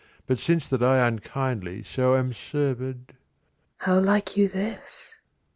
But since that I unkindly so am servèd, 20 'How like you this?